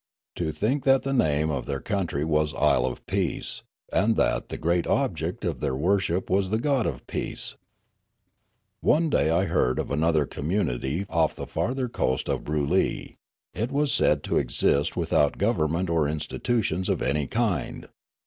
To think that the name of their coun try was " Isle of Peace," and that the great object of their worship was the god of peace ! One day I heard of another community off the farther coast of Brool3'i ; it was said to exist without govern ment or institutions of any kind.